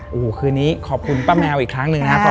โอ้โหคืนนี้ขอบคุณป้าแมวอีกครั้งหนึ่งนะครับ